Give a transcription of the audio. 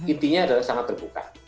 intinya adalah sangat terbuka